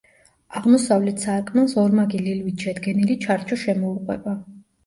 აღმოსავლეთ სარკმელს ორმაგი ლილვით შედგენილი ჩარჩო შემოუყვება.